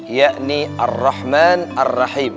yakni ar rahman ar rahim